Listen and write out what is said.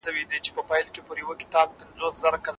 مشرانو به د هیواد د ثبات لپاره خپل ځانونه وقف کړي وو.